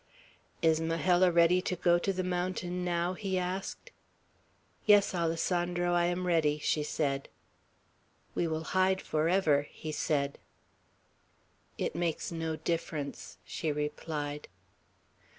"Is Majella ready to go to the mountain now?" he asked. "Yes, Alessandro, I am ready," she said. "We will hide forever," he said. "It makes no difference," she replied.